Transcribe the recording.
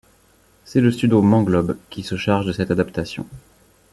C'est le studio Manglobe qui se charge de cette adaptation.